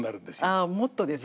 ああもっとですか。